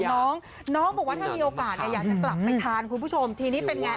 น้องน้องบอกว่าถ้ามีโอกาสเนี่ยอยากจะกลับไปทานคุณผู้ชมทีนี้เป็นไง